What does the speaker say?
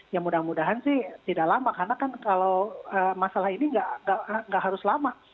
ya mudah mudahan sih tidak lama karena kan kalau masalah ini nggak harus lama